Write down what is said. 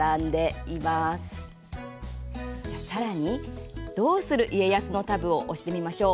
さらに「どうする家康」のタブを押してみましょう。